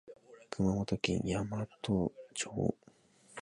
熊本県山都町